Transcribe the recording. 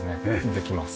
できます。